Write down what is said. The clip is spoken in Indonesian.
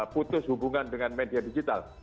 putus hubungan dengan media digital